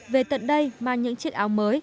về tận đây mang những chiếc áo mới